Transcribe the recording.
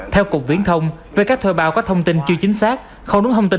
theo cục viễn thông về các thuê bao có thông tin chưa chính xác không đúng thông tin